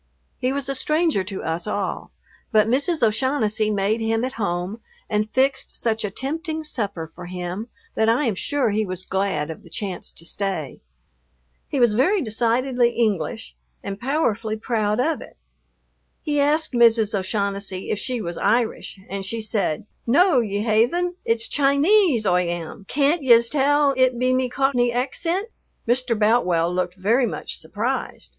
He was a stranger to us all, but Mrs. O'Shaughnessy made him at home and fixed such a tempting supper for him that I am sure he was glad of the chance to stay. He was very decidedly English, and powerfully proud of it. He asked Mrs. O'Shaughnessy if she was Irish and she said, "No, ye haythen, it's Chinese Oi am. Can't yez tell it be me Cockney accint?" Mr. Boutwell looked very much surprised.